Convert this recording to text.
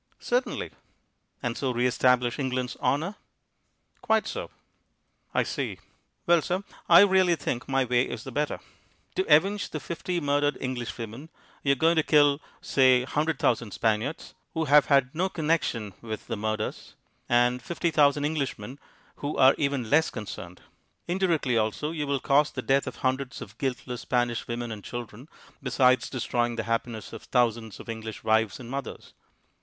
"Certainly." "And so re establish England's honour." "Quite so." "I see. Well, sir, I really think my way is the better. To avenge the fifty murdered English women, you are going to kill (say) 100,000 Spaniards who have had no connexion with the murders, and 50,000 Englishmen who are even less concerned. Indirectly also you will cause the death of hundreds of guiltless Spanish women and children, besides destroying the happiness of thousands of English wives and mothers.